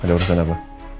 ada urusan apa